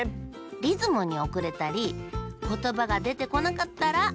リズムにおくれたりことばがでてこなかったらまけよ。